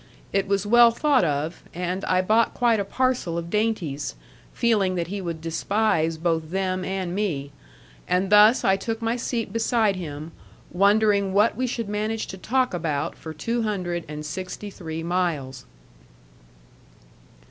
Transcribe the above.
It was well thought of, and I bought quite a parcel of dainties, feeling that he would despise both them and me. And thus I took my seat beside him, wondering what we should manage to talk about for two hundred and sixty three miles.